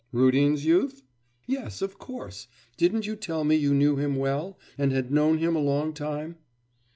'Rudin's youth?' 'Yes, of course. Didn't you tell me you knew him well, and had known him a long time?